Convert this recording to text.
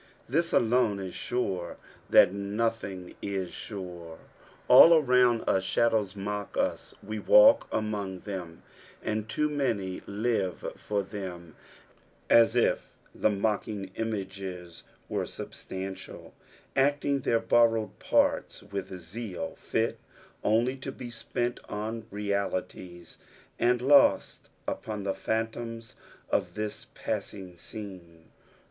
This alone is sure, that nothing is sure. All around us shadows mock us ; we walk among them, and too many live for them as if the mocking iniages were sub stantiiil ; acting their borrowed parts with zeal fit only to be spent on realities, and loat upon the phKntoms of this passing scene.